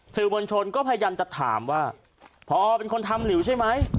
สื่อมวลชนก็พยายามจะถามว่าพอเป็นคนทำหลิวใช่ไหม